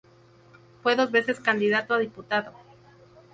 Fue dos veces candidato a diputado.